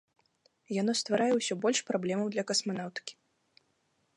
Яно стварае ўсё больш праблемаў для касманаўтыкі.